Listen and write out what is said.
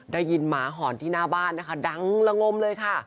หมาหอนที่หน้าบ้านนะคะดังละงมเลยค่ะ